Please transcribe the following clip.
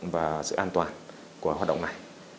và sự an toàn của hoạt động này